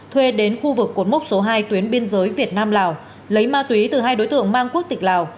thuê đến khu vực cột mốc số hai tuyến biên giới việt nam lào lấy ma túy từ hai đối tượng mang quốc tịch lào